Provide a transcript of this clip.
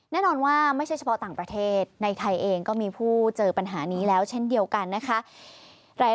แน่นอนว่าไม่ใช่เฉพาะต่างประเทศในไทยเองก็มีผู้เจอปัญหานี้แล้วเช่นเดียวกันนะคะ